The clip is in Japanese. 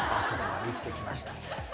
生きてきました。